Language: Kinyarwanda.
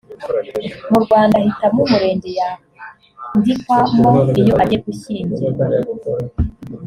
mu rwanda ahitamo umurenge yandikwamo iyo agiye gushyingirwa